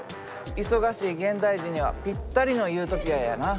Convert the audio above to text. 忙しい現代人にはぴったりのユートピアやな。